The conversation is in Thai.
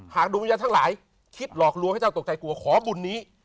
ดวงวิญญาณทั้งหลายคิดหลอกลวงให้เจ้าตกใจกลัวขอบุญนี้